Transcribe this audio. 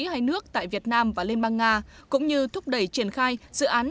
hai nước tại việt nam và liên bang nga cũng như thúc đẩy triển khai dự án